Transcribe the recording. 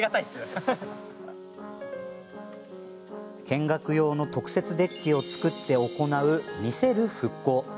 見学用の特設デッキを造って行う見せる復興。